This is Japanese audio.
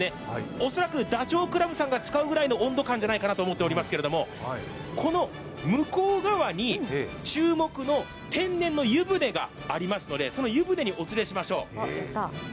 おそらくダチョウ倶楽部さんが使うぐらいの温度感だと思いますがこの向こう側に注目の天然の湯船がありますのでその湯船にお連れしましょう。